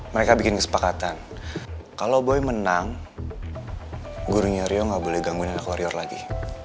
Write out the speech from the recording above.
mereka bikin kesepakatan kalo boy menang gurunya rio gak boleh gangguin anak warrior lagi